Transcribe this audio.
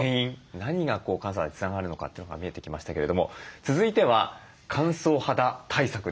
何が乾燥肌につながるのかというのが見えてきましたけれども続いては乾燥肌対策です。